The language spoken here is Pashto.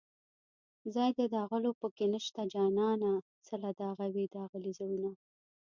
ځای د داغلو په کې نشته جانانه څله داغوې داغلي زړونه